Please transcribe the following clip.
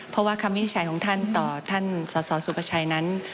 เพราะว่าคำวินิจฉัยของท่านต่อท่านสสสุภาชัยนั้น